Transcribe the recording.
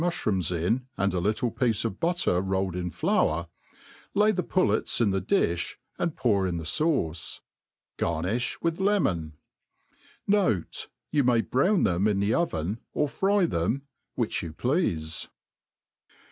uflirooms in, and a little piece of butter rplled in flour ; lay the pullets in the diih, and pour in the fauce. G.arnKh with lemon. Note^ You may brown them in the oven, or fry theip, which you pleafe.